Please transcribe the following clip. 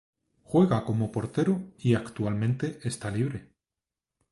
Juega como portero y actualmente esta libre.